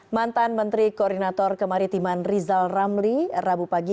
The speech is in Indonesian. mantan menteri koordinator kemaritiman rizal ramli rabu pagi